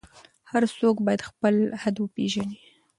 هر څوک باید خپل حد وپیژني.